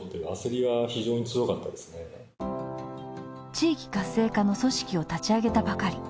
地域活性化の組織を立ち上げたばかり。